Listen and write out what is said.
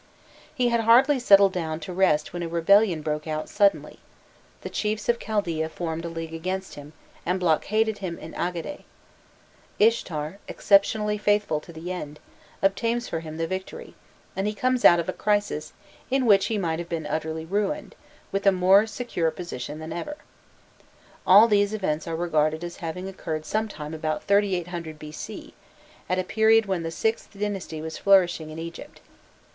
He had hardly settled down to rest when a rebellion broke out suddenly; the chiefs of Chaldaea formed a league against him, and blockaded him in Agade: Ishtar, exceptionally faithful to the end, obtains for him the victory, and he comes out of a crisis, in which he might have been utterly ruined, with a more secure position than ever. All these events are regarded as having occurred sometime about 3800 B.C., at a period when the VIth dynasty was flourishing in Egypt.